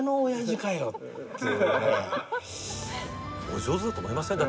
お上手だと思いません？